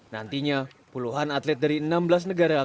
nantinya puluhan atlet dari enam belas negara akan menjajal arena para layang